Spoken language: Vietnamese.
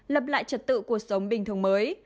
lập lại trật tự cuộc sống bình thường mới